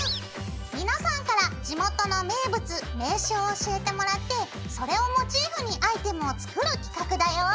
皆さんから地元の名物名所を教えてもらってそれをモチーフにアイテムを作る企画だよ！